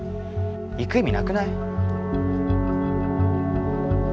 行く意味なくない？